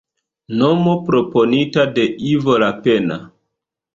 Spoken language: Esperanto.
Nomo proponita de Ivo Lapenna.